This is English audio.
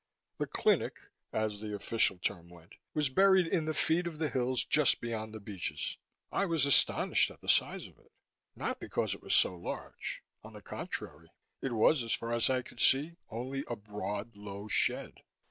The "clinic," as the official term went, was buried in the feet of the hills just beyond the beaches. I was astonished at the size of it. Not because it was so large; on the contrary. It was, as far as I could see, only a broad, low shed.